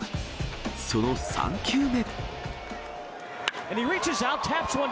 その３球目。